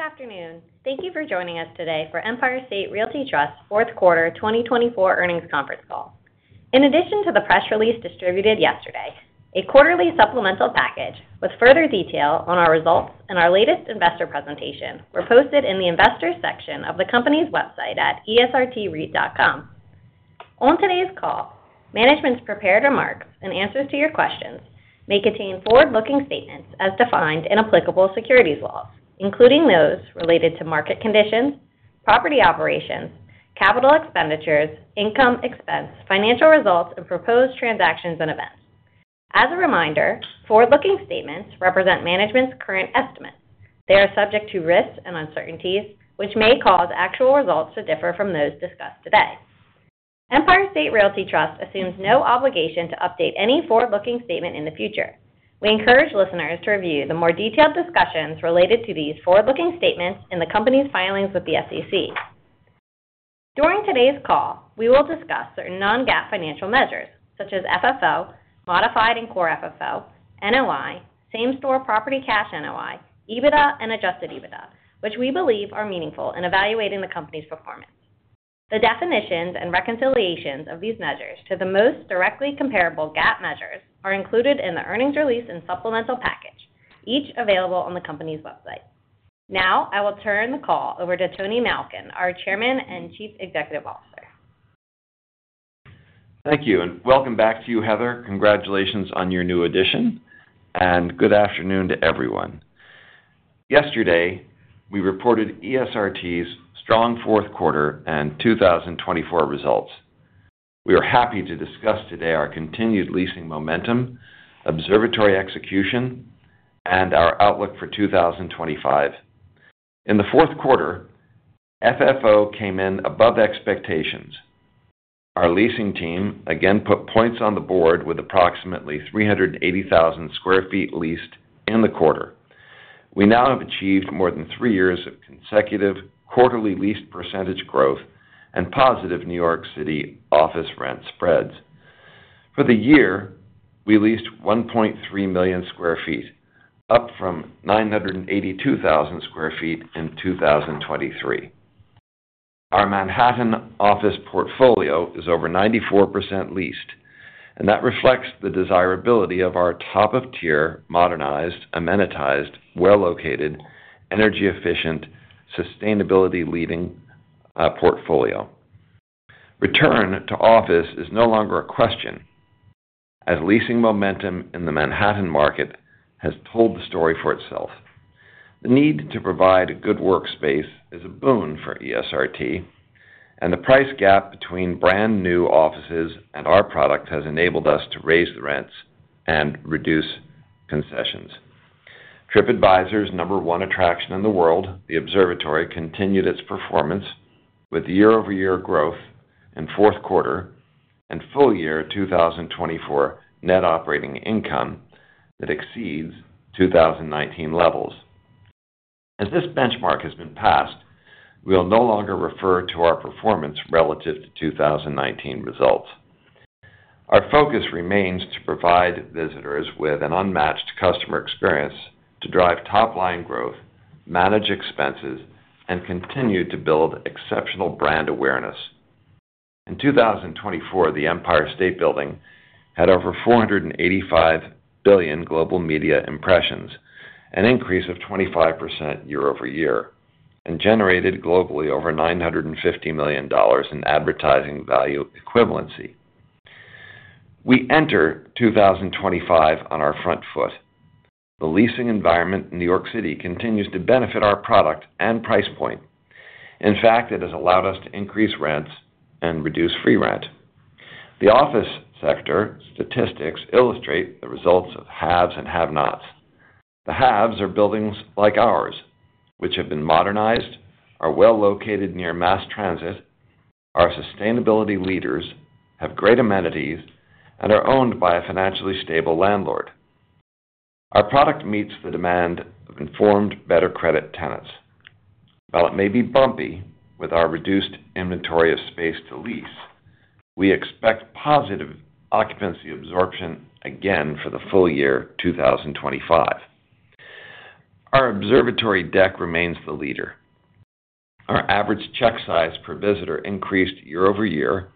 Good afternoon. Thank you for joining us today for Empire State Realty Trust's fourth quarter 2024 earnings conference call. In addition to the press release distributed yesterday, a quarterly supplemental package with further detail on our results and our latest investor presentation were posted in the investor section of the company's website at esrtreit.com. On today's call, management's prepared remarks and answers to your questions may contain forward-looking statements as defined in applicable securities laws, including those related to market conditions, property operations, capital expenditures, income, expense, financial results, and proposed transactions and events. As a reminder, forward-looking statements represent management's current estimates. They are subject to risks and uncertainties, which may cause actual results to differ from those discussed today. Empire State Realty Trust assumes no obligation to update any forward-looking statement in the future. We encourage listeners to review the more detailed discussions related to these forward-looking statements in the company's filings with the SEC. During today's call, we will discuss certain non-GAAP financial measures, such as FFO, Modified and Core FFO, NOI, Same Store Property Cash NOI, EBITDA, and Adjusted EBITDA, which we believe are meaningful in evaluating the company's performance. The definitions and reconciliations of these measures to the most directly comparable GAAP measures are included in the earnings release and supplemental package, each available on the company's website. Now, I will turn the call over to Tony Malkin, our Chairman and Chief Executive Officer. Thank you, and welcome back to you, Heather. Congratulations on your new addition, and good afternoon to everyone. Yesterday, we reported ESRT's strong fourth quarter and 2024 results. We are happy to discuss today our continued leasing momentum, observatory execution, and our outlook for 2025. In the fourth quarter, FFO came in above expectations. Our leasing team again put points on the board with approximately 380,000 sq ft leased in the quarter. We now have achieved more than three years of consecutive quarterly lease percentage growth and positive New York City office rent spreads. For the year, we leased 1.3 million sq ft, up from 982,000 sq ft in 2023. Our Manhattan office portfolio is over 94% leased, and that reflects the desirability of our top-of-tier modernized, amenitized, well-located, energy-efficient, sustainability-leading portfolio. Return to office is no longer a question, as leasing momentum in the Manhattan market has told the story for itself. The need to provide good workspace is a boon for ESRT, and the price gap between brand-new offices and our product has enabled us to raise the rents and reduce concessions. TripAdvisor's number one attraction in the world, the observatory, continued its performance with year-over-year growth in fourth quarter and full year 2024 Net Operating Income that exceeds 2019 levels. As this benchmark has been passed, we will no longer refer to our performance relative to 2019 results. Our focus remains to provide visitors with an unmatched customer experience to drive top-line growth, manage expenses, and continue to build exceptional brand awareness. In 2024, the Empire State Building had over 485 billion global media impressions, an increase of 25% year-over-year, and generated globally over $950 million in advertising value equivalency. We enter 2025 on our front foot. The leasing environment in New York City continues to benefit our product and price point. In fact, it has allowed us to increase rents and reduce free rent. The office sector statistics illustrate the results of haves and have-nots. The haves are buildings like ours, which have been modernized, are well-located near mass transit, are sustainability leaders, have great amenities, and are owned by a financially stable landlord. Our product meets the demand of informed, better-credit tenants. While it may be bumpy with our reduced inventory of space to lease, we expect positive occupancy absorption again for the full year 2025. Our observatory deck remains the leader. Our average check size per visitor increased year-over-year,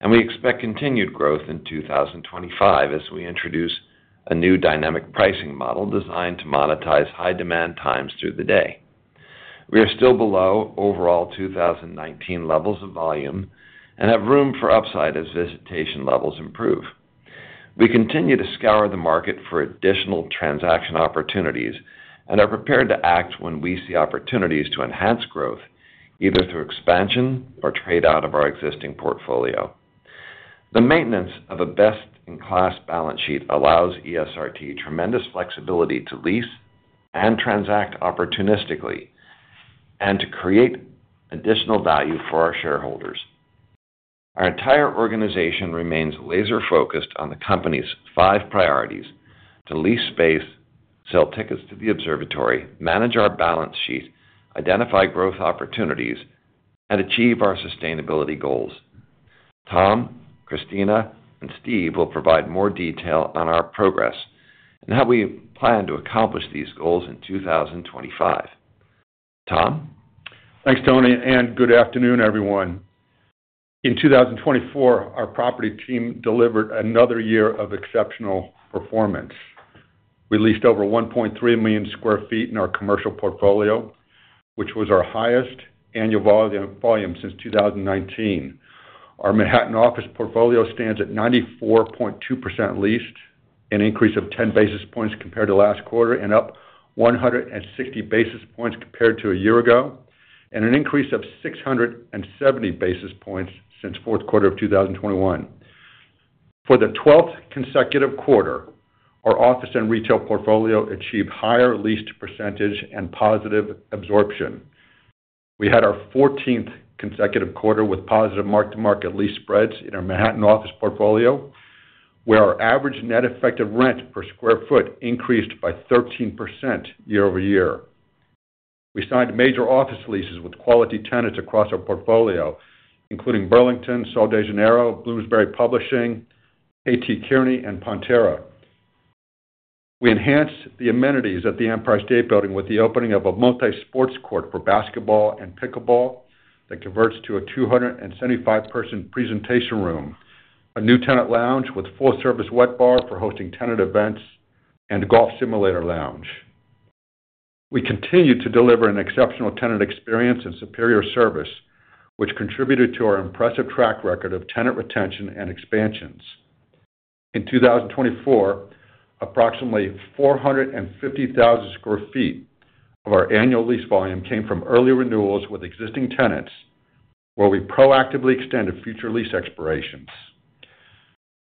and we expect continued growth in 2025 as we introduce a new dynamic pricing model designed to monetize high-demand times through the day. We are still below overall 2019 levels of volume and have room for upside as visitation levels improve. We continue to scour the market for additional transaction opportunities and are prepared to act when we see opportunities to enhance growth, either through expansion or trade out of our existing portfolio. The maintenance of a best-in-class balance sheet allows ESRT tremendous flexibility to lease and transact opportunistically and to create additional value for our shareholders. Our entire organization remains laser-focused on the company's five priorities: to lease space, sell tickets to the observatory, manage our balance sheet, identify growth opportunities, and achieve our sustainability goals. Tom, Christina, and Steve will provide more detail on our progress and how we plan to accomplish these goals in 2025. Tom? Thanks, Tony, and good afternoon, everyone. In 2024, our property team delivered another year of exceptional performance. We leased over 1.3 million sq ft in our commercial portfolio, which was our highest annual volume since 2019. Our Manhattan office portfolio stands at 94.2% leased, an increase of 10 basis points compared to last quarter, and up 160 basis points compared to a year ago, and an increase of 670 basis points since fourth quarter of 2021. For the 12th consecutive quarter, our office and retail portfolio achieved higher lease percentage and positive absorption. We had our 14th consecutive quarter with positive mark-to-market lease spreads in our Manhattan office portfolio, where our average net effective rent per sq ft increased by 13% year-over-year. We signed major office leases with quality tenants across our portfolio, including Burlington, Sol de Janeiro, Bloomsbury Publishing, Katy Koerning, and Pontera. We enhanced the amenities at the Empire State Building with the opening of a multi-sports court for basketball and pickleball that converts to a 275-person presentation room, a new tenant lounge with full-service wet bar for hosting tenant events, and a golf simulator lounge. We continue to deliver an exceptional tenant experience and superior service, which contributed to our impressive track record of tenant retention and expansions. In 2024, approximately 450,000 sq ft of our annual lease volume came from early renewals with existing tenants, where we proactively extended future lease expirations.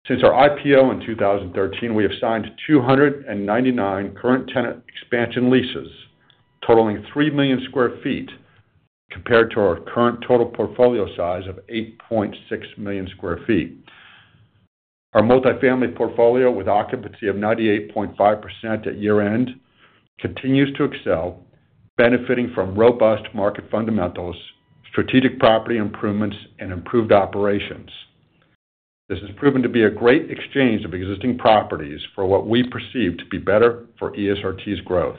Since our IPO in 2013, we have signed 299 current tenant expansion leases, totaling 3 million sq ft, compared to our current total portfolio size of 8.6 million sq ft. Our multifamily portfolio, with occupancy of 98.5% at year-end, continues to excel, benefiting from robust market fundamentals, strategic property improvements, and improved operations. This has proven to be a great exchange of existing properties for what we perceive to be better for ESRT's growth.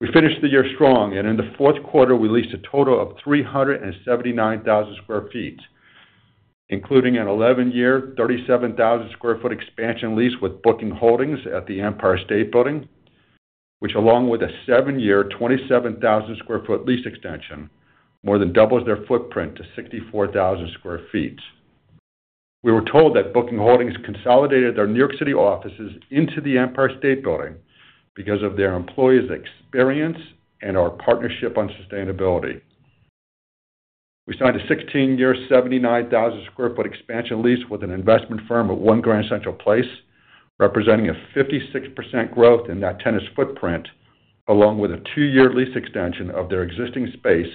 We finished the year strong, and in the fourth quarter, we leased a total of 379,000 sq ft, including an 11-year, 37,000 sq ft expansion lease with Booking Holdings at the Empire State Building, which, along with a 7-year, 27,000 sq ft lease extension, more than doubles their footprint to 64,000 sq ft. We were told that Booking Holdings consolidated their New York City offices into the Empire State Building because of their employees' experience and our partnership on sustainability. We signed a 16-year, 79,000 sq ft expansion lease with an investment firm at One Grand Central Place, representing a 56% growth in that tenant's footprint, along with a 2-year lease extension of their existing space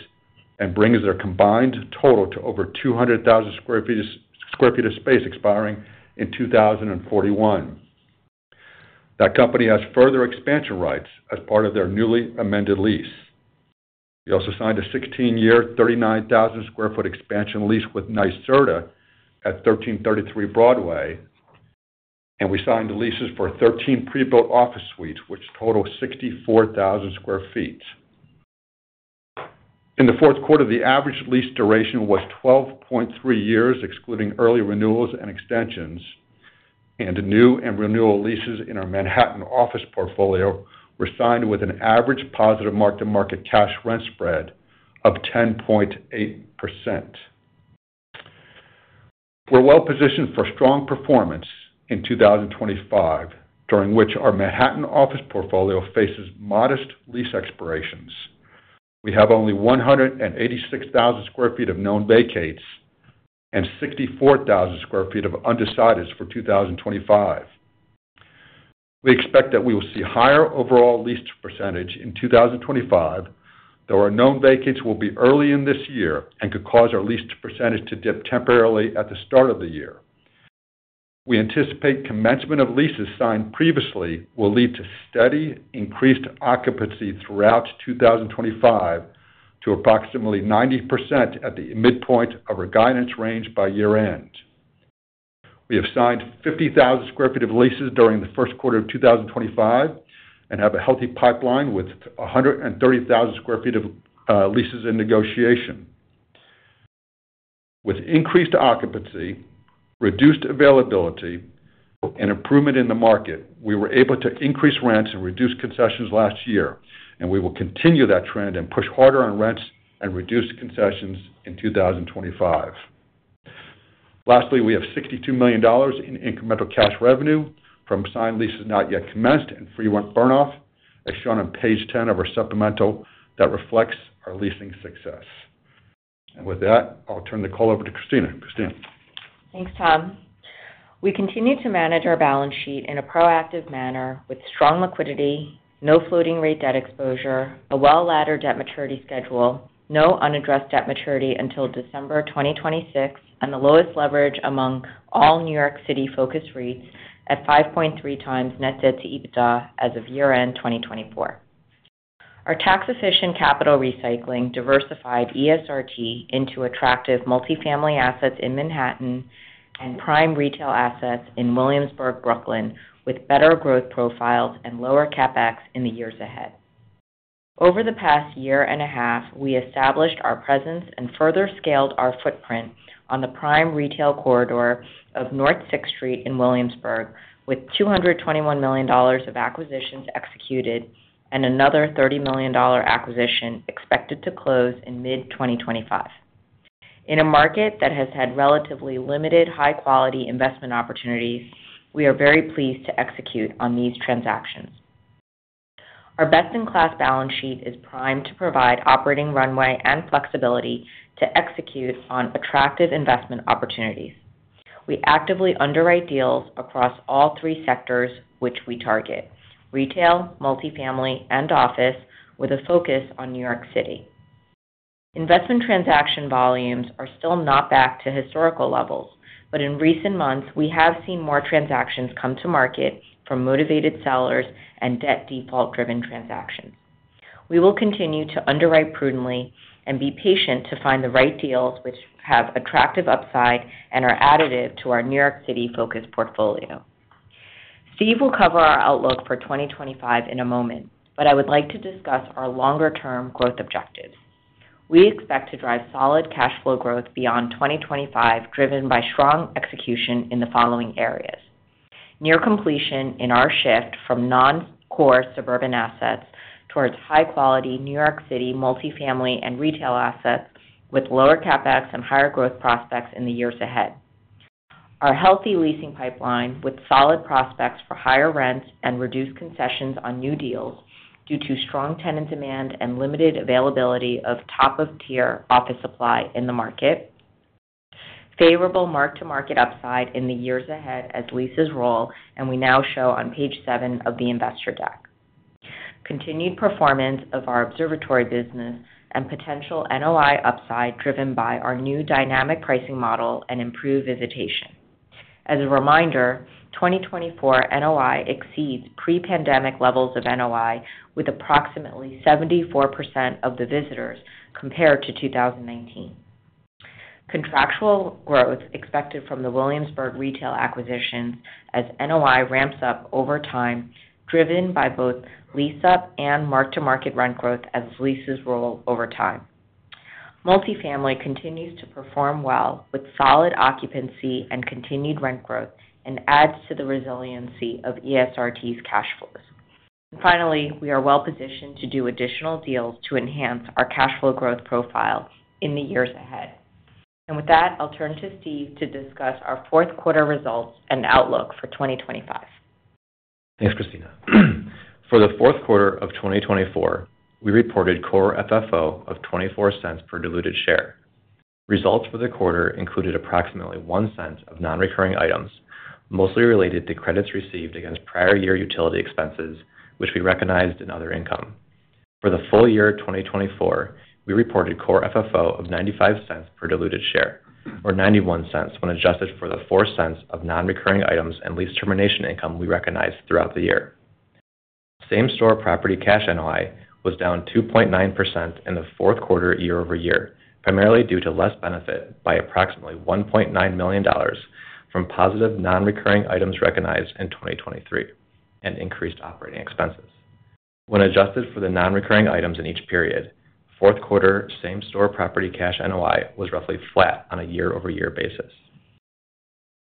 and brings their combined total to over 200,000 sq ft of space expiring in 2041. That company has further expansion rights as part of their newly amended lease. We also signed a 16-year, 39,000 sq ft expansion lease with NYSERDA at 1333 Broadway, and we signed leases for 13 prebuilt office suites, which total 64,000 sq ft. In the fourth quarter, the average lease duration was 12.3 years, excluding early renewals and extensions, and new and renewal leases in our Manhattan office portfolio were signed with an average positive mark-to-market cash rent spread of 10.8%. We're well positioned for strong performance in 2025, during which our Manhattan office portfolio faces modest lease expirations. We have only 186,000 sq ft of known vacates and 64,000 sq ft of undecided for 2025. We expect that we will see higher overall lease percentage in 2025, though our known vacates will be early in this year and could cause our lease percentage to dip temporarily at the start of the year. We anticipate commencement of leases signed previously will lead to steady increased occupancy throughout 2025 to approximately 90% at the midpoint of our guidance range by year-end. We have signed 50,000 sq ft of leases during the first quarter of 2025 and have a healthy pipeline with 130,000 sq ft of leases in negotiation. With increased occupancy, reduced availability, and improvement in the market, we were able to increase rents and reduce concessions last year, and we will continue that trend and push harder on rents and reduce concessions in 2025. Lastly, we have $62 million in incremental cash revenue from signed leases not yet commenced and free rent burn-off, as shown on page 10 of our supplemental that reflects our leasing success. And with that, I'll turn the call over to Christina. Christina. Thanks, Tom. We continue to manage our balance sheet in a proactive manner with strong liquidity, no floating-rate debt exposure, a well-laddered debt maturity schedule, no unaddressed debt maturity until December 2026, and the lowest leverage among all New York City-focused REITs at 5.3 times net debt to EBITDA as of year-end 2024. Our tax-efficient capital recycling diversified ESRT into attractive multifamily assets in Manhattan and prime retail assets in Williamsburg, Brooklyn, with better growth profiles and lower CapEx in the years ahead. Over the past year and a half, we established our presence and further scaled our footprint on the prime retail corridor of North 6th Street in Williamsburg, with $221 million of acquisitions executed and another $30 million acquisition expected to close in mid-2025. In a market that has had relatively limited high-quality investment opportunities, we are very pleased to execute on these transactions. Our best-in-class balance sheet is primed to provide operating runway and flexibility to execute on attractive investment opportunities. We actively underwrite deals across all three sectors, which we target: retail, multifamily, and office, with a focus on New York City. Investment transaction volumes are still not back to historical levels, but in recent months, we have seen more transactions come to market from motivated sellers and debt default-driven transactions. We will continue to underwrite prudently and be patient to find the right deals which have attractive upside and are additive to our New York City-focused portfolio. Steve will cover our outlook for 2025 in a moment, but I would like to discuss our longer-term growth objectives. We expect to drive solid cash flow growth beyond 2025, driven by strong execution in the following areas: near completion in our shift from non-core suburban assets towards high-quality New York City multifamily and retail assets with lower CapEx and higher growth prospects in the years ahead. Our healthy leasing pipeline with solid prospects for higher rents and reduced concessions on new deals due to strong tenant demand and limited availability of top-tier office supply in the market. Favorable mark-to-market upside in the years ahead as leases roll, and we now show on page 7 of the investor deck. Continued performance of our observatory business and potential NOI upside driven by our new dynamic pricing model and improved visitation. As a reminder, 2024 NOI exceeds pre-pandemic levels of NOI, with approximately 74% of the visitors compared to 2019. Contractual growth expected from the Williamsburg retail acquisitions as NOI ramps up over time, driven by both lease-up and mark-to-market rent growth as leases roll over time. Multifamily continues to perform well with solid occupancy and continued rent growth and adds to the resiliency of ESRT's cash flows. And finally, we are well positioned to do additional deals to enhance our cash flow growth profile in the years ahead. And with that, I'll turn to Steve to discuss our fourth quarter results and outlook for 2025. Thanks, Christina. For the fourth quarter of 2024, we reported Core FFO of $0.24 per diluted share. Results for the quarter included approximately $0.01 of non-recurring items, mostly related to credits received against prior year utility expenses, which we recognized in other income. For the full year 2024, we reported Core FFO of $0.95 per diluted share, or $0.91 when adjusted for the $0.04 of non-recurring items and lease termination income we recognized throughout the year. Same-store property cash NOI was down 2.9% in the fourth quarter year-over-year, primarily due to less benefit by approximately $1.9 million from positive non-recurring items recognized in 2023 and increased operating expenses. When adjusted for the non-recurring items in each period, fourth quarter same-store property cash NOI was roughly flat on a year-over-year basis.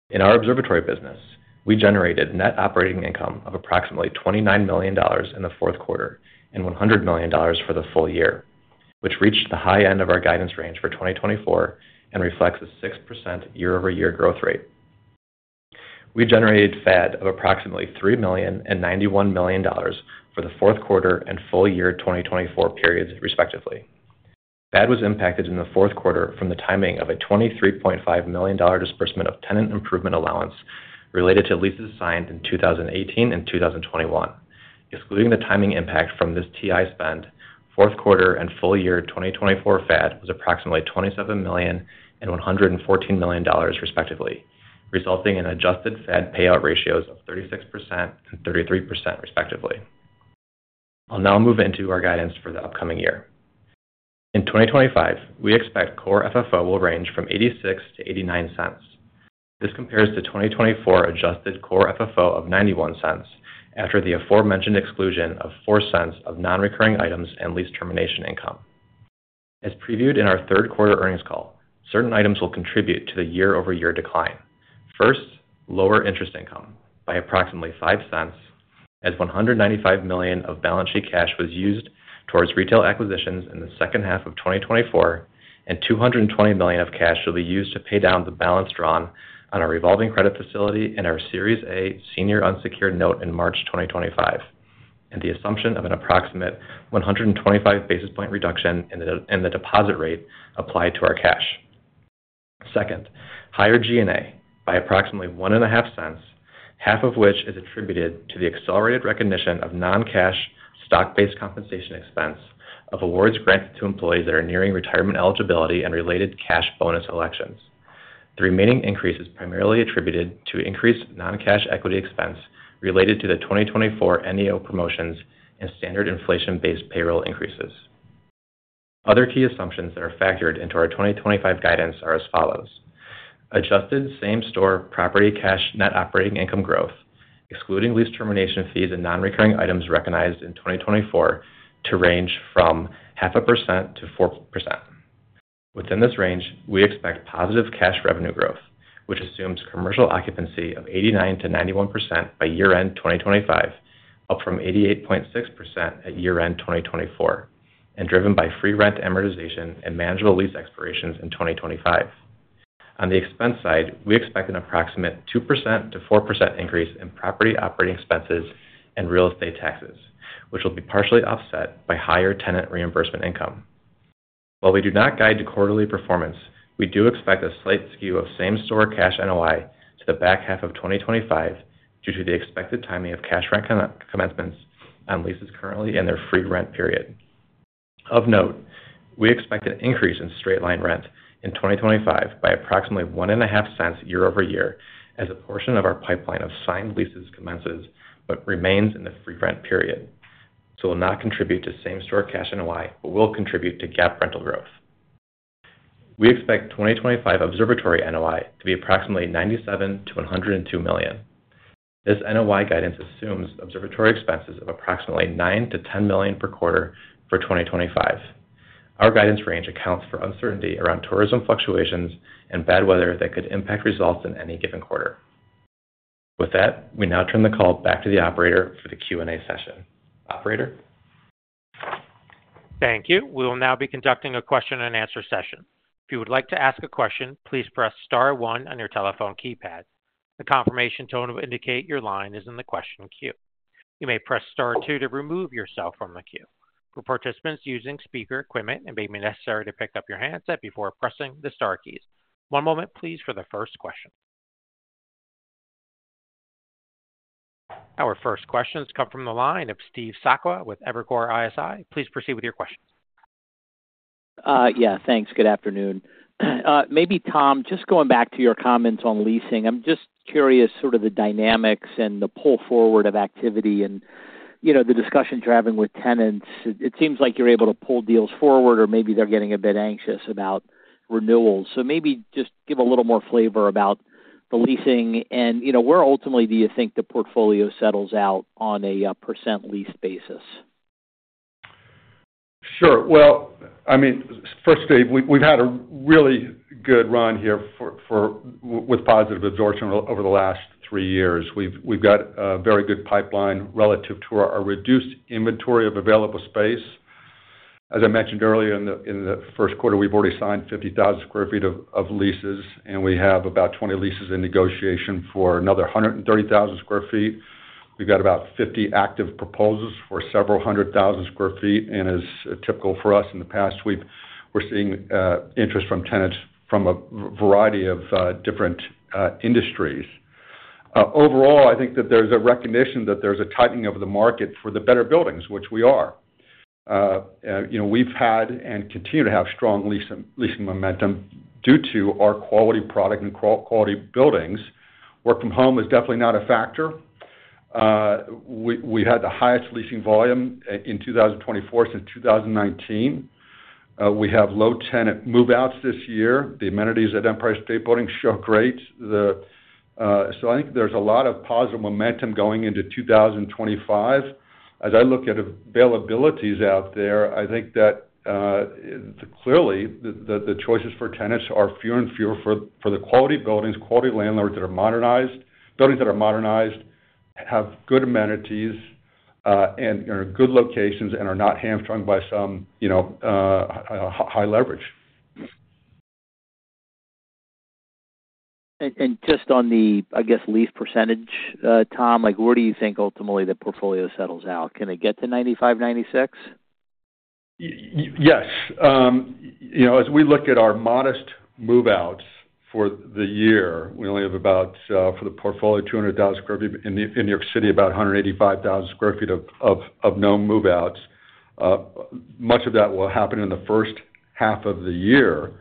In our observatory business, we generated net operating income of approximately $29 million in the fourth quarter and $100 million for the full year, which reached the high end of our guidance range for 2024 and reflects a 6% year-over-year growth rate. We generated FAD of approximately $3 million and $91 million for the fourth quarter and full year 2024 periods, respectively. FAD was impacted in the fourth quarter from the timing of a $23.5 million disbursement of tenant improvement allowance related to leases signed in 2018 and 2021. Excluding the timing impact from this TI spend, fourth quarter and full year 2024 FAD was approximately $27 million and $114 million, respectively, resulting in adjusted FAD payout ratios of 36% and 33%, respectively. I'll now move into our guidance for the upcoming year. In 2025, we expect core FFO will range from $0.86-$0.89. This compares to 2024 adjusted core FFO of $0.91 after the aforementioned exclusion of $0.04 of non-recurring items and lease termination income. As previewed in our third quarter earnings call, certain items will contribute to the year-over-year decline. First, lower interest income by approximately $0.05, as $195 million of balance sheet cash was used towards retail acquisitions in the second half of 2024, and $220 million of cash will be used to pay down the balance drawn on our revolving credit facility in our Series A senior unsecured note in March 2025, and the assumption of an approximate 125 basis point reduction in the deposit rate applied to our cash. Second, higher G&A by approximately $0.015, half of which is attributed to the accelerated recognition of non-cash stock-based compensation expense of awards granted to employees that are nearing retirement eligibility and related cash bonus elections. The remaining increase is primarily attributed to increased non-cash equity expense related to the 2024 NEO promotions and standard inflation-based payroll increases. Other key assumptions that are factored into our 2025 guidance are as follows: adjusted same-store property cash net operating income growth, excluding lease termination fees and non-recurring items recognized in 2024, to range from 0.5%-4%. Within this range, we expect positive cash revenue growth, which assumes commercial occupancy of 89%-91% by year-end 2025, up from 88.6% at year-end 2024, and driven by free rent amortization and manageable lease expirations in 2025. On the expense side, we expect an approximate 2%-4% increase in property operating expenses and real estate taxes, which will be partially offset by higher tenant reimbursement income. While we do not guide to quarterly performance, we do expect a slight skew of same-store cash NOI to the back half of 2025 due to the expected timing of cash rent commencements on leases currently in their free rent period. Of note, we expect an increase in straight-line rent in 2025 by approximately $0.015 year-over-year as a portion of our pipeline of signed leases commences, but remains in the free rent period, so will not contribute to same-store cash NOI, but will contribute to GAAP rental growth. We expect 2025 observatory NOI to be approximately $97 million-$102 million. This NOI guidance assumes observatory expenses of approximately $9 million-$10 million per quarter for 2025. Our guidance range accounts for uncertainty around tourism fluctuations and bad weather that could impact results in any given quarter. With that, we now turn the call back to the operator for the Q&A session. Operator. Thank you. We will now be conducting a question-and-answer session. If you would like to ask a question, please press Star 1 on your telephone keypad. The confirmation tone will indicate your line is in the question queue. You may press Star 2 to remove yourself from the queue. For participants using speaker equipment, it may be necessary to pick up your handset before pressing the Star keys. One moment, please, for the first question. Our first questions come from the line of Steve Sakwa with Evercore ISI. Please proceed with your questions. Yeah, thanks. Good afternoon. Maybe, Tom, just going back to your comments on leasing, I'm just curious sort of the dynamics and the pull forward of activity and the discussions you're having with tenants. It seems like you're able to pull deals forward, or maybe they're getting a bit anxious about renewals. So maybe just give a little more flavor about the leasing and where ultimately do you think the portfolio settles out on a percent leased basis? Sure. Well, I mean, first, Steve, we've had a really good run here with positive absorption over the last three years. We've got a very good pipeline relative to our reduced inventory of available space. As I mentioned earlier, in the first quarter, we've already signed 50,000 sq ft of leases, and we have about 20 leases in negotiation for another 130,000 sq ft. We've got about 50 active proposals for several hundred thousand sq ft. And as typical for us in the past, we're seeing interest from tenants from a variety of different industries. Overall, I think that there's a recognition that there's a tightening of the market for the better buildings, which we are. We've had and continue to have strong leasing momentum due to our quality product and quality buildings. Work from home is definitely not a factor. We had the highest leasing volume in 2024 since 2019. We have low tenant move-outs this year. The amenities at Empire State Building show great, so I think there's a lot of positive momentum going into 2025. As I look at availabilities out there, I think that clearly the choices for tenants are fewer and fewer for the quality buildings, quality landlords that are modernized, buildings that are modernized, have good amenities, and are in good locations, and are not hamstrung by some high leverage. Just on the, I guess, lease percentage, Tom, where do you think ultimately the portfolio settles out? Can it get to 95%-96%? Yes. As we look at our modest move-outs for the year, we only have about, for the portfolio, 200,000 sq ft, but in New York City, about 185,000 sq ft of no move-outs. Much of that will happen in the first half of the year.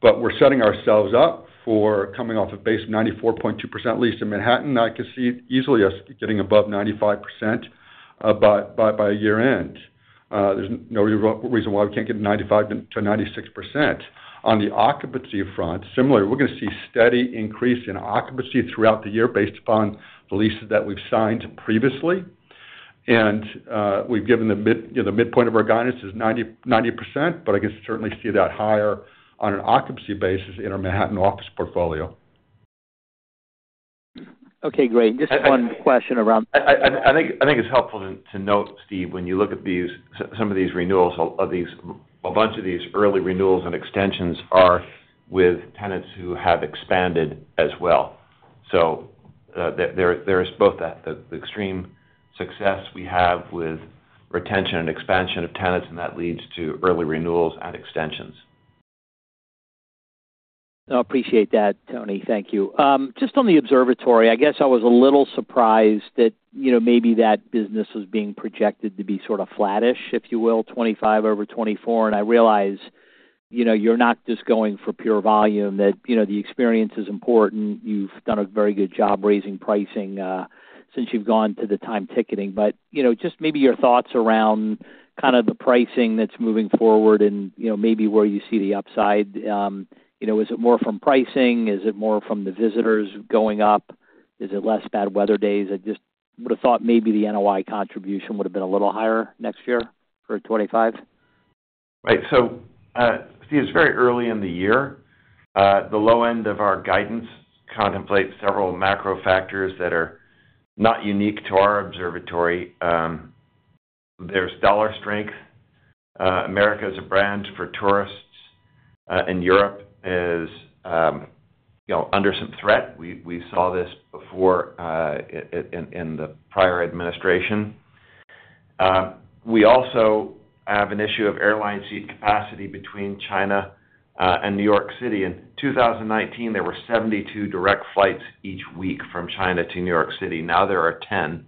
But we're setting ourselves up for coming off a base of 94.2% leased in Manhattan. I could see easily us getting above 95% by year-end. There's no reason why we can't get 95%-96%. On the occupancy front, similarly, we're going to see steady increase in occupancy throughout the year based upon the leases that we've signed previously. And we've given the midpoint of our guidance is 90%, but I can certainly see that higher on an occupancy basis in our Manhattan office portfolio. Okay, great. Just one question around. I think it's helpful to note, Steve, when you look at some of these renewals, a bunch of these early renewals and extensions are with tenants who have expanded as well, so there is both the extreme success we have with retention and expansion of tenants, and that leads to early renewals and extensions. I appreciate that, Tony. Thank you. Just on the observatory, I guess I was a little surprised that maybe that business was being projected to be sort of flattish, if you will, 2025 over 2024. And I realize you're not just going for pure volume, that the experience is important. You've done a very good job raising pricing since you've gone to the time ticketing. But just maybe your thoughts around kind of the pricing that's moving forward and maybe where you see the upside. Is it more from pricing? Is it more from the visitors going up? Is it less bad weather days? I just would have thought maybe the NOI contribution would have been a little higher next year for 2025. Right, so Steve, it's very early in the year. The low end of our guidance contemplates several macro factors that are not unique to our observatory. There's dollar strength. America is a brand for tourists, and Europe is under some threat. We saw this before in the prior administration. We also have an issue of airline seat capacity between China and New York City. In 2019, there were 72 direct flights each week from China to New York City. Now there are 10, and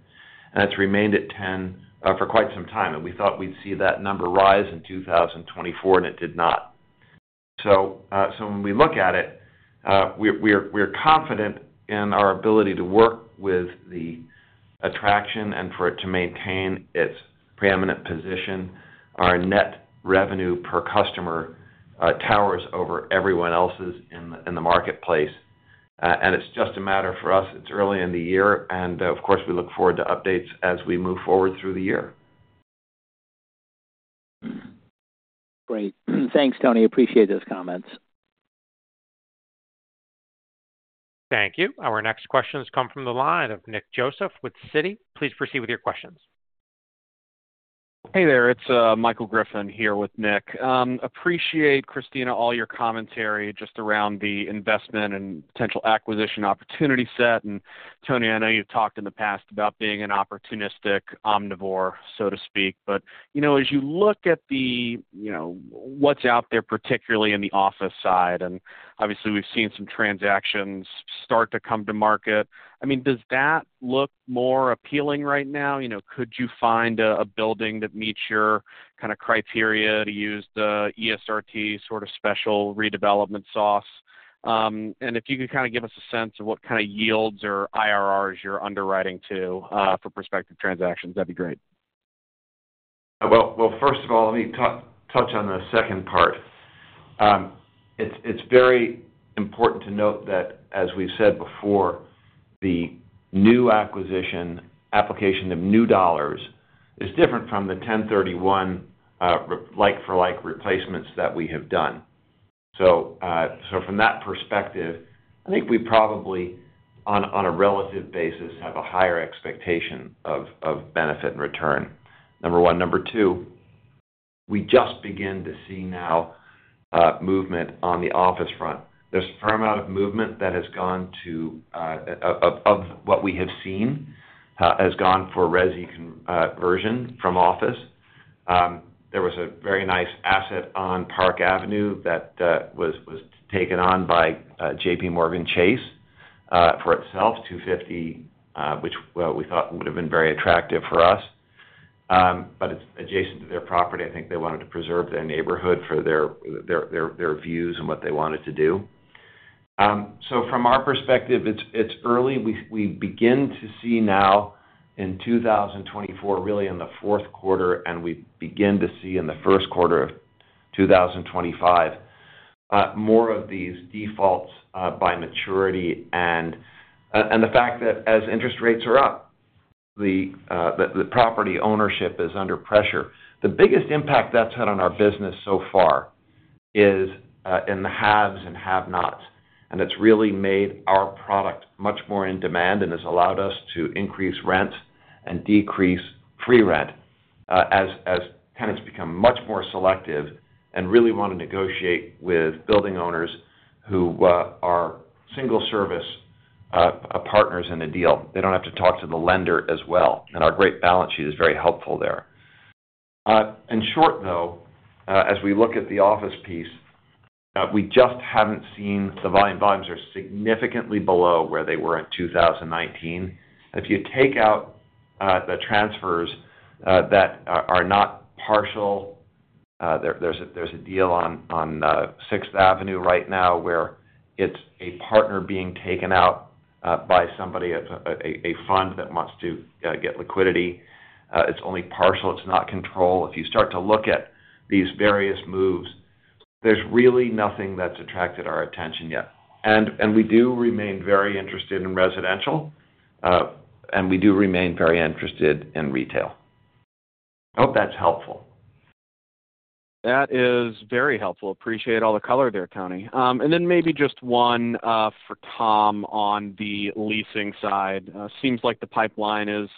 it's remained at 10 for quite some time and we thought we'd see that number rise in 2024, and it did not, so when we look at it, we're confident in our ability to work with the attraction and for it to maintain its preeminent position. Our net revenue per customer towers over everyone else's in the marketplace and it's just a matter for us. It's early in the year, and of course, we look forward to updates as we move forward through the year. Great. Thanks, Tony. Appreciate those comments. Thank you. Our next questions come from the line of Nick Joseph with Citi. Please proceed with your questions. Hey there. It's Michael Griffin here with Nick. Appreciate, Christina, all your commentary just around the investment and potential acquisition opportunity set. And Tony, I know you've talked in the past about being an opportunistic omnivore, so to speak. But as you look at what's out there, particularly in the office side, and obviously, we've seen some transactions start to come to market. I mean, does that look more appealing right now? Could you find a building that meets your kind of criteria to use the ESRT sort of special redevelopment sauce? And if you could kind of give us a sense of what kind of yields or IRRs you're underwriting to for prospective transactions, that'd be great. First of all, let me touch on the second part. It's very important to note that, as we've said before, the new acquisition application of new dollars is different from the 1031 like-for-like replacements that we have done. So from that perspective, I think we probably, on a relative basis, have a higher expectation of benefit and return. Number one. Number two, we just began to see now movement on the office front. There's a fair amount of movement that has gone to of what we have seen has gone for resi conversion from office. There was a very nice asset on Park Avenue that was taken on by JPMorgan Chase for itself, 250 Park Avenue, which we thought would have been very attractive for us. But it's adjacent to their property. I think they wanted to preserve their neighborhood for their views and what they wanted to do. So from our perspective, it's early. We begin to see now in 2024, really in the fourth quarter, and we begin to see in the first quarter of 2025, more of these defaults by maturity and the fact that as interest rates are up, the property ownership is under pressure. The biggest impact that's had on our business so far is in the haves and have-nots. And it's really made our product much more in demand and has allowed us to increase rent and decrease free rent as tenants become much more selective and really want to negotiate with building owners who are single-service partners in a deal. They don't have to talk to the lender as well. And our great balance sheet is very helpful there. In short, though, as we look at the office piece, we just haven't seen the volume. Volumes are significantly below where they were in 2019. If you take out the transfers that are not partial, there's a deal on 6th Avenue right now where it's a partner being taken out by somebody, a fund that wants to get liquidity. It's only partial. It's not control. If you start to look at these various moves, there's really nothing that's attracted our attention yet, and we do remain very interested in residential, and we do remain very interested in retail. I hope that's helpful. That is very helpful. Appreciate all the color there, Tony. And then maybe just one for Tom on the leasing side. Seems like the pipeline is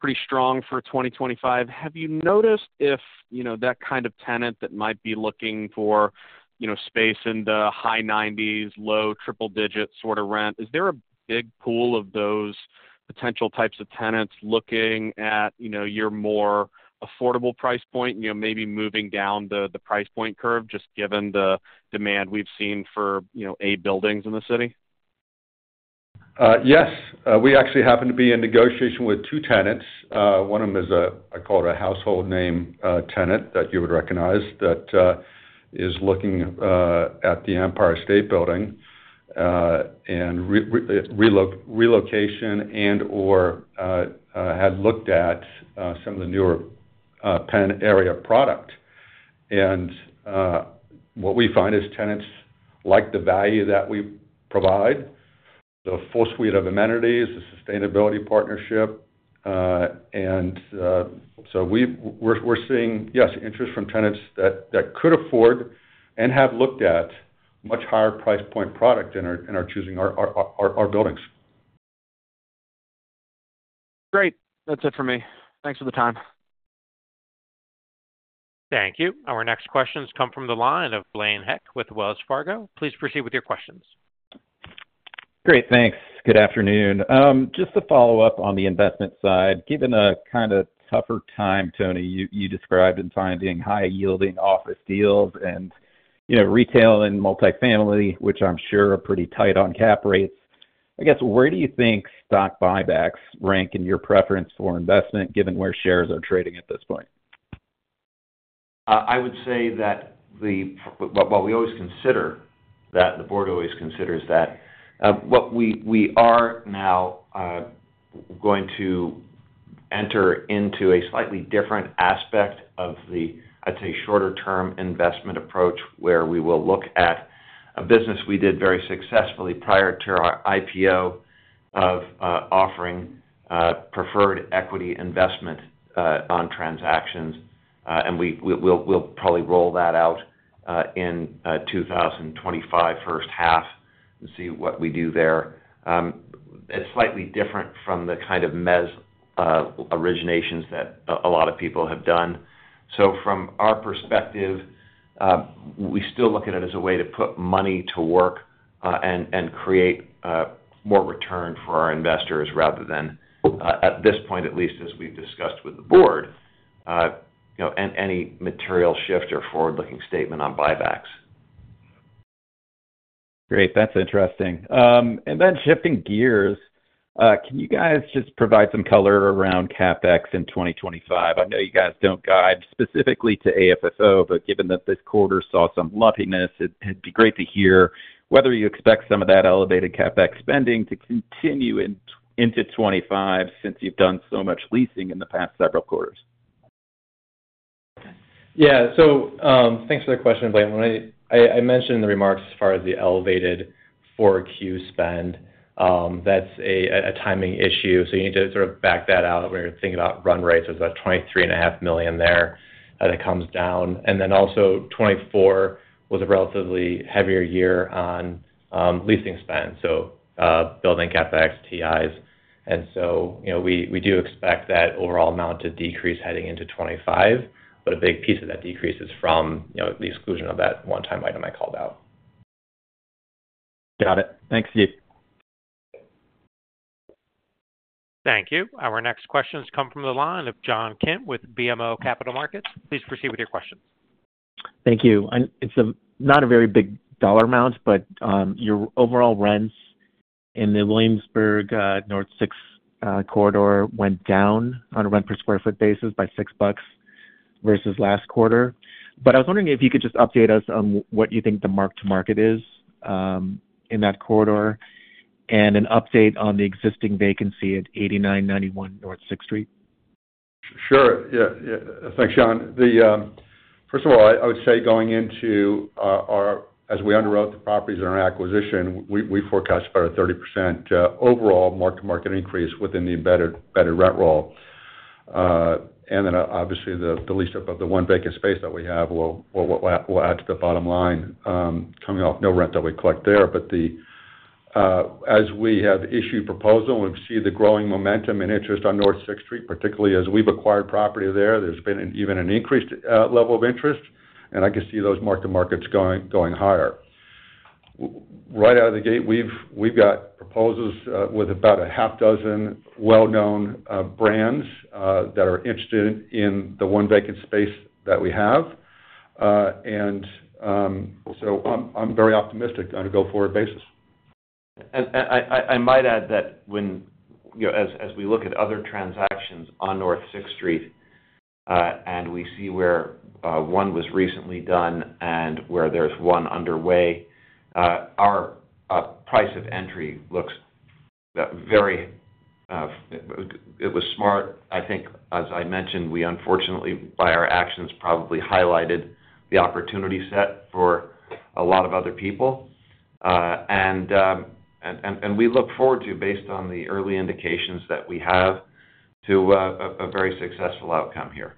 pretty strong for 2025. Have you noticed if that kind of tenant that might be looking for space in the high 90s, low triple-digit sort of rent, is there a big pool of those potential types of tenants looking at your more affordable price point, maybe moving down the price point curve just given the demand we've seen for A buildings in the city? Yes. We actually happen to be in negotiation with two tenants. One of them is a, I call it a household name tenant that you would recognize that is looking at the Empire State Building and relocation and/or had looked at some of the newer Penn area product. And what we find is tenants like the value that we provide, the full suite of amenities, the sustainability partnership. And so we're seeing, yes, interest from tenants that could afford and have looked at much higher price point product in our choosing our buildings. Great. That's it for me. Thanks for the time. Thank you. Our next questions come from the line of Blaine Heck with Wells Fargo. Please proceed with your questions. Great. Thanks. Good afternoon. Just to follow up on the investment side, given a kind of tougher time, Tony, you described in finding high-yielding office deals and retail and multifamily, which I'm sure are pretty tight on cap rates. I guess, where do you think stock buybacks rank in your preference for investment given where shares are trading at this point? I would say that the, well, we always consider that the board always considers that. What we are now going to enter into a slightly different aspect of the, I'd say, shorter-term investment approach where we will look at a business we did very successfully prior to our IPO of offering preferred equity investment on transactions, and we'll probably roll that out in 2025 first half and see what we do there. It's slightly different from the kind of mezz originations that a lot of people have done, so from our perspective, we still look at it as a way to put money to work and create more return for our investors rather than, at this point, at least, as we've discussed with the board, any material shift or forward-looking statement on buybacks. Great. That's interesting. And then shifting gears, can you guys just provide some color around CapEx in 2025? I know you guys don't guide specifically to AFFO, but given that this quarter saw some lumpiness, it'd be great to hear whether you expect some of that elevated CapEx spending to continue into 2025 since you've done so much leasing in the past several quarters. Yeah. So thanks for the question, Blaine. I mentioned in the remarks as far as the elevated 4Q spend, that's a timing issue. So you need to sort of back that out when you're thinking about run rates. There's about $23.5 million there that comes down. And then also 2024 was a relatively heavier year on leasing spend, so building CapEx, TIs. And so we do expect that overall amount to decrease heading into 2025, but a big piece of that decrease is from the exclusion of that one-time item I called out. Got it. Thanks, Steve. Thank you. Our next questions come from the line of John Kim with BMO Capital Markets. Please proceed with your questions. Thank you. It's not a very big dollar amount, but your overall rents in the Williamsburg North 6th Corridor went down on a rent per sq ft basis by $6 versus last quarter. But I was wondering if you could just update us on what you think the mark-to-market is in that corridor and an update on the existing vacancy at 89-91 North 6th Street? Sure. Yeah. Thanks, John. First of all, I would say going into our, as we underwrote the properties in our acquisition, we forecast about a 30% overall mark-to-market increase within the embedded rent roll, and then obviously, the lease of the one vacant space that we have will add to the bottom line coming off no rent that we collect there, but as we have issued proposals, we've seen the growing momentum and interest on North 6th Street, particularly as we've acquired property there. There's been even an increased level of interest, and I can see those mark-to-markets going higher. Right out of the gate, we've got proposals with about a half dozen well-known brands that are interested in the one vacant space that we have, and so I'm very optimistic on a go-forward basis. I might add that as we look at other transactions on North 6th Street and we see where one was recently done and where there's one underway, our price of entry looks very, it was smart. I think, as I mentioned, we unfortunately, by our actions, probably highlighted the opportunity set for a lot of other people. And we look forward to, based on the early indications that we have, to a very successful outcome here.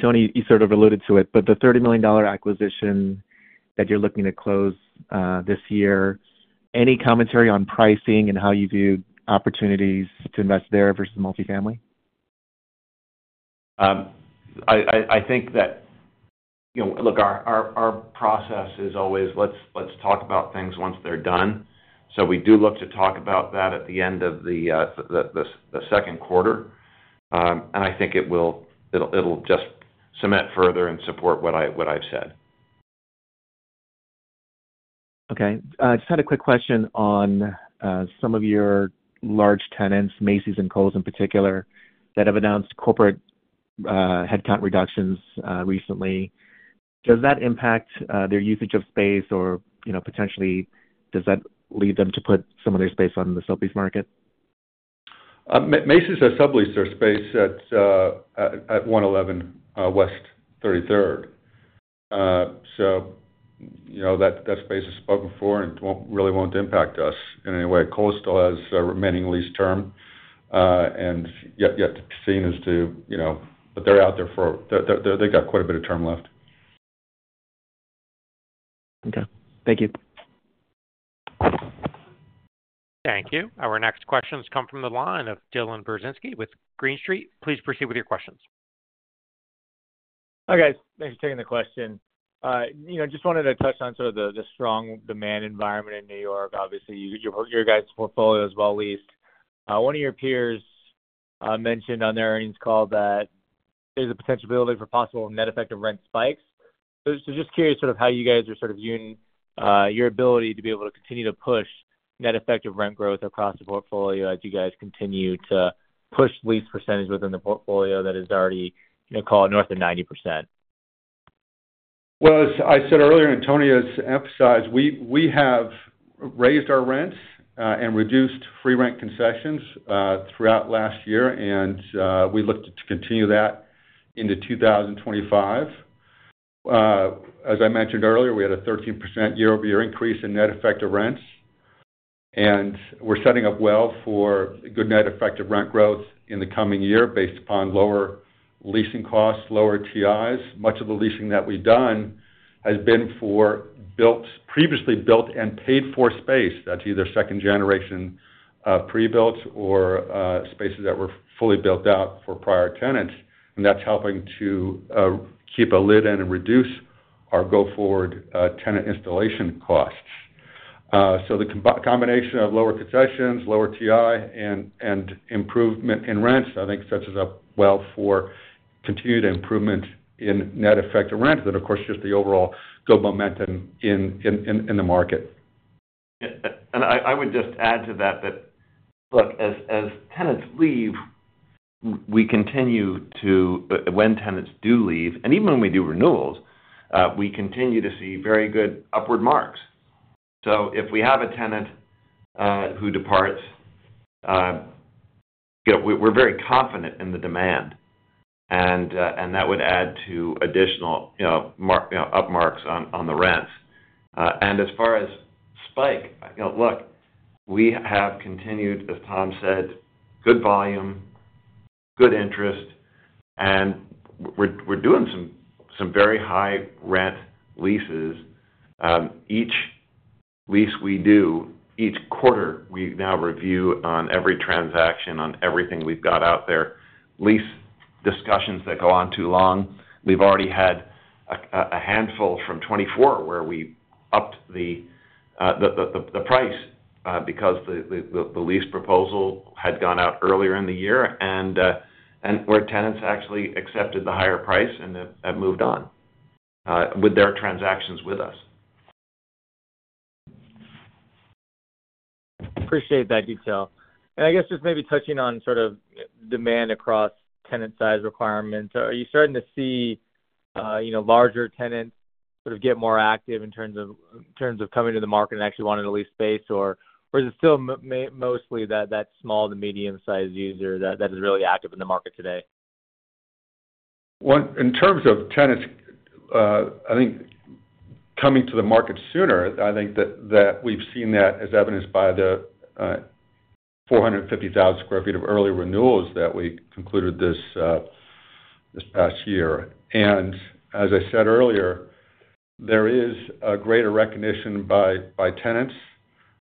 Tony, you sort of alluded to it, but the $30 million acquisition that you're looking to close this year, any commentary on pricing and how you view opportunities to invest there versus multifamily? I think that, look, our process is always, let's talk about things once they're done, so we do look to talk about that at the end of the second quarter, and I think it'll just cement further and support what I've said. Okay. Just had a quick question on some of your large tenants, Macy's and Kohl's in particular, that have announced corporate headcount reductions recently. Does that impact their usage of space or potentially does that lead them to put some of their space on the sublease market? Macy's has subleased their space at 111 West 33rd. So that space is spoken for and really won't impact us in any way. Kohl's still has remaining lease term, and yet to be seen as to, but they're out there, for they've got quite a bit of term left. Okay. Thank you. Thank you. Our next questions come from the line of Dylan Burzinski with Green Street. Please proceed with your questions. Hi, guys. Thanks for taking the question. Just wanted to touch on sort of the strong demand environment in New York. Obviously, your guys' portfolio is well-leased. One of your peers mentioned on their earnings call that there's a potential ability for possible net effective rent spikes. So just curious sort of how you guys are sort of viewing your ability to be able to continue to push net effective rent growth across the portfolio as you guys continue to push lease percentage within the portfolio that is already clocking north of 90%. As I said earlier, and Tony has emphasized, we have raised our rents and reduced free rent concessions throughout last year. We look to continue that into 2025. As I mentioned earlier, we had a 13% year-over-year increase in net effective rents. We're setting up well for good net effective rent growth in the coming year based upon lower leasing costs, lower TIs. Much of the leasing that we've done has been for previously built and paid-for space. That's either second-generation pre-built or spaces that were fully built out for prior tenants. That's helping to keep a lid and reduce our go-forward tenant installation costs. The combination of lower concessions, lower TI, and improvement in rents, I think, sets us up well for continued improvement in net effective rents. Of course, just the overall good momentum in the market. I would just add to that, that look, as tenants leave, we continue to, when tenants do leave, and even when we do renewals, we continue to see very good upward marks. If we have a tenant who departs, we're very confident in the demand. That would add to additional upmarks on the rents. As far as spike, look, we have continued, as Tom said, good volume, good interest. We're doing some very high rent leases. Each lease we do, each quarter, we now review on every transaction, on everything we've got out there, lease discussions that go on too long. We've already had a handful from 2024 where we upped the price because the lease proposal had gone out earlier in the year. Where tenants actually accepted the higher price and moved on with their transactions with us. Appreciate that detail, and I guess just maybe touching on sort of demand across tenant size requirements, are you starting to see larger tenants sort of get more active in terms of coming to the market and actually wanting to lease space? Or is it still mostly that small to medium-sized user that is really active in the market today? In terms of tenants, I think coming to the market sooner, I think that we've seen that as evidenced by the 450,000 sq ft of early renewals that we concluded this past year. And as I said earlier, there is a greater recognition by tenants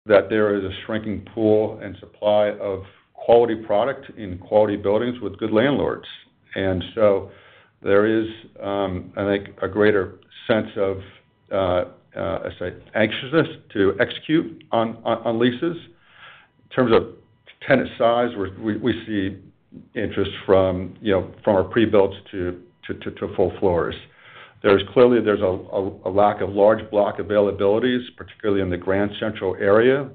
that there is a shrinking pool and supply of quality product in quality buildings with good landlords. And so there is, I think, a greater sense of, I'd say, anxiousness to execute on leases. In terms of tenant size, we see interest from our pre-builts to full floors. Clearly, there's a lack of large block availabilities, particularly in the Grand Central area.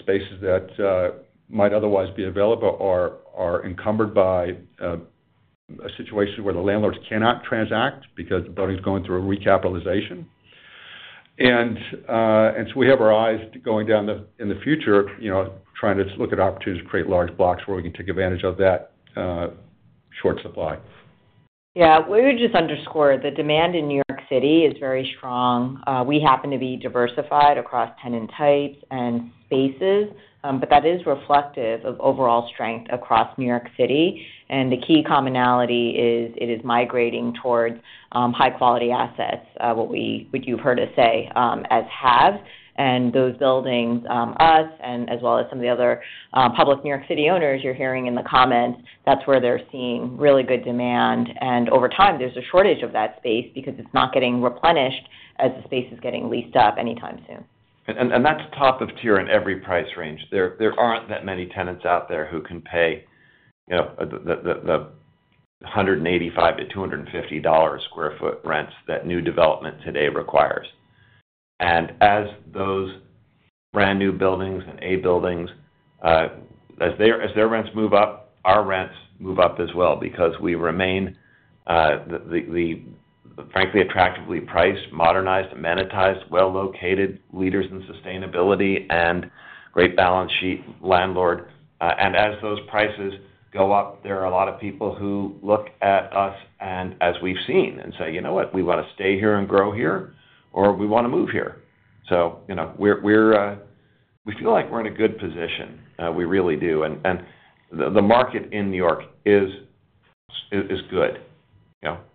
Spaces that might otherwise be available are encumbered by a situation where the landlords cannot transact because the building's going through a recapitalization. We have our eyes going down in the future, trying to look at opportunities to create large blocks where we can take advantage of that short supply. Yeah. We would just underscore the demand in New York City is very strong. We happen to be diversified across tenant types and spaces, but that is reflective of overall strength across New York City, and the key commonality is it is migrating towards high-quality assets, what you've heard us say as Class A. Those buildings, us, and as well as some of the other public New York City owners you're hearing in the comments, that's where they're seeing really good demand, and over time, there's a shortage of that space because it's not getting replenished as the space is getting leased up anytime soon. That's top of tier in every price range. There aren't that many tenants out there who can pay the $185-$250 sq ft rents that new development today requires. And as those brand new buildings and A buildings, as their rents move up, our rents move up as well because we remain the frankly attractively priced, modernized, amenitized, well-located leaders in sustainability and great balance sheet landlord. And as those prices go up, there are a lot of people who look at us, as we've seen, and say, "You know what? We want to stay here and grow here, or we want to move here." So we feel like we're in a good position. We really do. And the market in New York is good.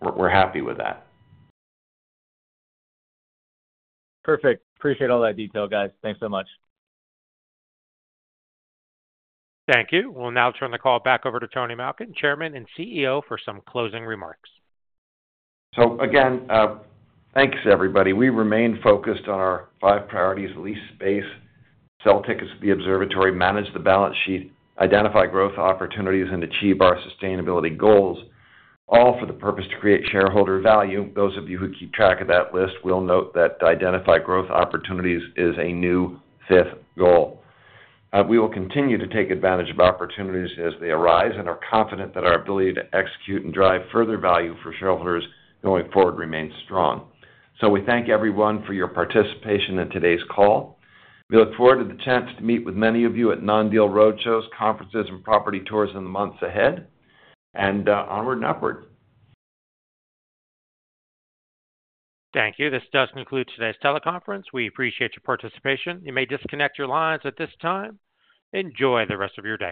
We're happy with that. Perfect. Appreciate all that detail, guys. Thanks so much. Thank you. We'll now turn the call back over to Tony Malkin, Chairman and CEO, for some closing remarks. So again, thanks, everybody. We remain focused on our five priorities: lease space, sell tickets to the observatory, manage the balance sheet, identify growth opportunities, and achieve our sustainability goals, all for the purpose to create shareholder value. Those of you who keep track of that list will note that to identify growth opportunities is a new fifth goal. We will continue to take advantage of opportunities as they arise and are confident that our ability to execute and drive further value for shareholders going forward remains strong. So we thank everyone for your participation in today's call. We look forward to the chance to meet with many of you at non-deal road shows, conferences, and property tours in the months ahead. And onward and upward. Thank you. This does conclude today's teleconference. We appreciate your participation. You may disconnect your lines at this time. Enjoy the rest of your day.